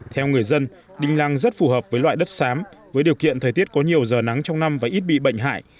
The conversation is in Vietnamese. theo người dân đinh lăng rất phù hợp với loại đất sám với điều kiện thời tiết có nhiều giờ nắng trong năm và ít bị bệnh hại